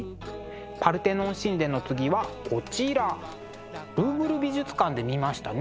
パルテノン神殿の次はこちらルーブル美術館で見ましたね。